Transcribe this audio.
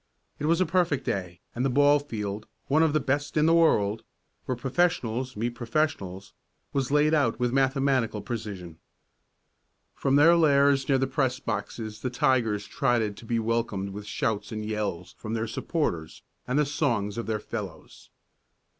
It was a perfect day, and the ball field one of the best in the world where professionals meet professionals was laid out with mathematical precision. From their lairs near the press boxes the tigers trotted to be welcomed with shouts and yells from their supporters and the songs of their fellows.